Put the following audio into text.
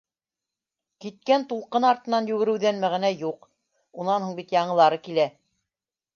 Киткән тулҡын артынан йүгереүҙән мәғәнә юҡ, унан һуң бит яңылары килә.